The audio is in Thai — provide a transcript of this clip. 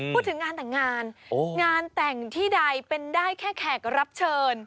พูดถึงงานแต่งงานงานแต่งที่ใดเป็นได้แค่แขกรับเชิญ